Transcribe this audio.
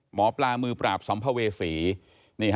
หมอปลามือปราบสัมภเวษี